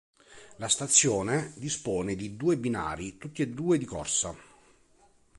La stazione dispone di due binari tutti e due di corsa.